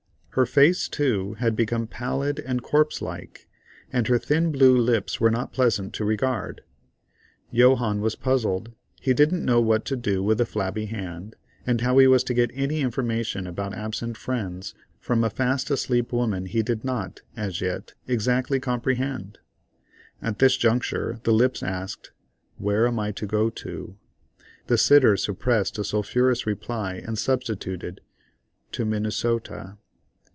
Her face, too, had become pallid and corpse like, and her thin blue lips were not pleasant to regard. Johannes was puzzled; he didn't know what to do with the flabby hand, and how he was to get any information about absent friends from a fast asleep woman he did not, as yet, exactly comprehend. At this juncture, the lips asked, "Where am I to go to?" The sitter suppressed a sulphurous reply, and substituted, "To Minnesota."